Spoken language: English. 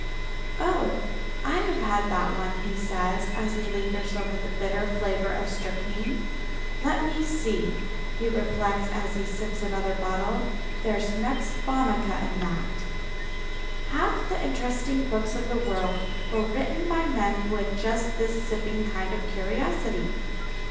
"Oh, I have had that one," he says, as he lingers over the bitter flavour of strychnine. "Let me see," he reflects, as he sips another bottle, "there's nux vomica in that." Half the interesting books of the world were written by men who had just this sipping kind of curiosity.